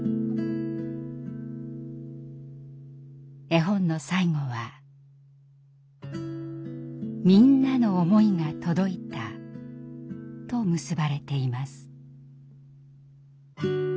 絵本の最後は「みんなのおもいがとどいた」と結ばれています。